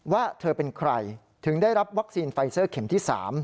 ว่าเธอเป็นใครถึงได้รับวัคซีนไฟเซอร์เข็มที่๓